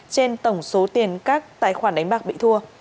trên tổng số tiền các tài khoản đánh bạc bị thua